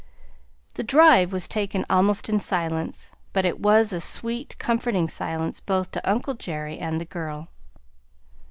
The drive was taken almost in silence, but it was a sweet, comforting silence both to uncle Jerry and the girl.